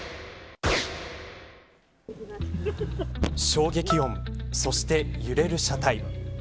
衝撃音、そして揺れる車体。